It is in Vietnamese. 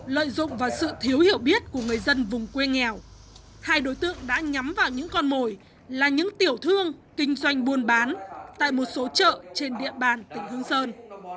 lợi dụng vào sự thiếu hiểu biết của người dân vùng quê nghèo hai đối tượng đã nhắm vào những con mồi là những tiểu thương kinh doanh buôn bán tại một số chợ trên địa bàn tỉnh hương sơn